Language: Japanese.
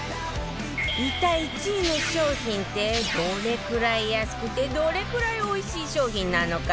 一体１位の商品ってどれくらい安くてどれくらいおいしい商品なのかしら？